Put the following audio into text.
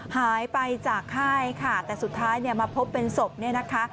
หายไปจากค่ายค่ะแต่สุดท้ายเนี่ยมาพบเป็นศพเนี่ยนะคะ